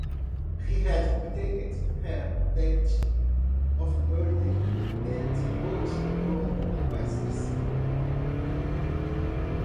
They had obtained her date of birth and old home addresses.